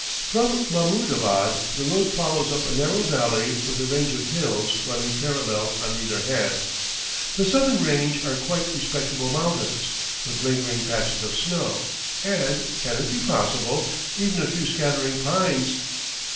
From Mahmoudabad the road follows up a narrow valley with a range of hills running parallel on either hand. The southern range are quite respectable mountains, with lingering patches of snow, and can it be possible! even a few scattering pines.